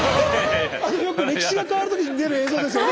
よく歴史が変わる時に出る映像ですよね？